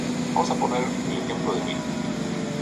Actualmente dirige al Club Deportivo Manchego, de Ciudad Real.